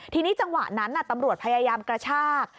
ทีนี้จังหวะนั้นตำรวจพยายามกระชาก